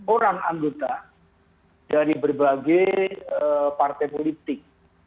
orang anggota dari berbagai partai politik